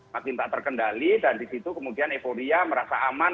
makin tak terkendali dan di situ kemudian euforia merasa aman